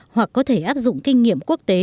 hoặc có thể áp dụng kinh nghiệm quốc tế